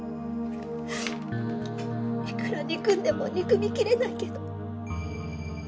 いくら憎んでも憎みきれないけど。